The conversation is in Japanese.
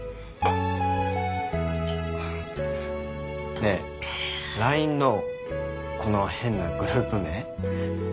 ねえＬＩＮＥのこの変なグループ名何？